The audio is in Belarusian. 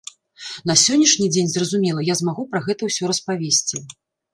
На сённяшні дзень, зразумела, я змагу пра гэта ўсё распавесці.